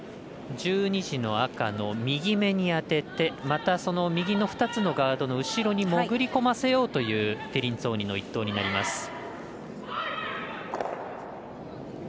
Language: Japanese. １２時の赤の右めに当ててまたその右の２つのガードの後ろにもぐりこませようというて１投になります。